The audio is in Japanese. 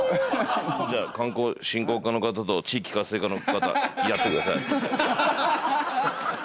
じゃあ観光振興課の方と地域活性化の方やってくださいって。